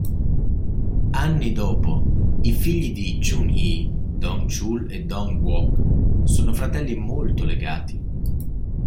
Anni dopo, i figli di Chun-hee, Dong-chul e Dong-wook, sono fratelli molto legati.